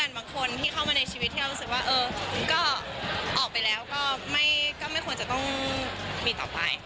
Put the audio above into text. มีบางคนที่เข้ามาที่ชีวิตที่เข้ามาออกไปแล้วก็ไม่ควรจะต้องมีต่อไป